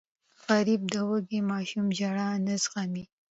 غریب د وږې ماشوم ژړا نه زغمي